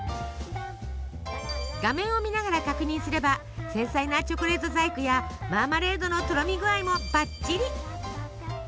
画面を見ながら確認すれば繊細なチョコレート細工やマーマレードのとろみ具合もばっちり。